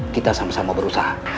kita sama sama berusaha